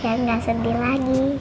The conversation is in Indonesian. jangan gak sedih lagi